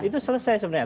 itu selesai sebenarnya